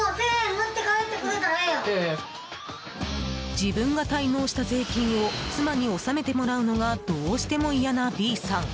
自分が滞納した税金を妻に納めてもらうのがどうしても嫌なＢさん。